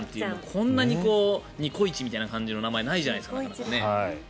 こんなにニコイチみたいな感じの名前はないじゃないですか。